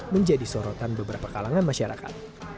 menjadi sorotan beberapa kalangan masyarakat